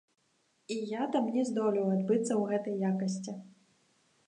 І я там не здолеў адбыцца ў гэтай якасці.